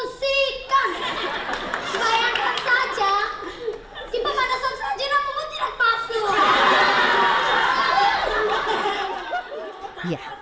bayangkan saja di pemadasan saja nama mu tidak masuk